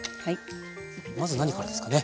まず何からですかね。